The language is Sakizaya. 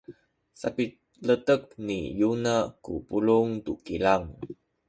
sapiletek ni Yona ku pulung tu kilang.